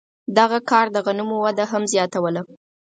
دغه کار د غنمو وده هم زیاتوله.